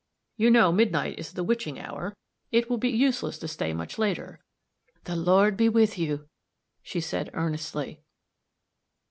You know midnight is the witching hour it will be useless to stay much later." "The Lord be with you," she said, earnestly.